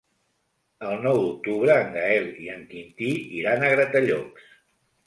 El nou d'octubre en Gaël i en Quintí iran a Gratallops.